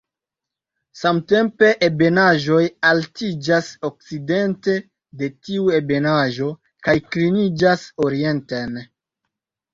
Samtempe, ebenaĵoj altiĝas okcidente de tiu ebenaĵo, kaj kliniĝas orienten.